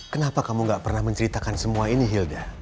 kenapa kamu gak pernah menceritakan semua ini hilda